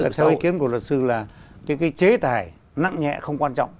tức là theo ý kiến của luật sư là cái chế tài nặng nhẹ không quan trọng